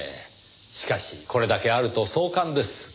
しかしこれだけあると壮観です。